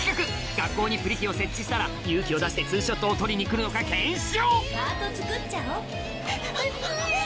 学校にプリ機を設置したら勇気を出して２ショットを撮りに来るのか検証